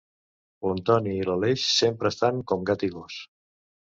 L'Antoni i l'Aleix sempre estan com gat i gos